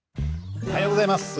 おはようございます。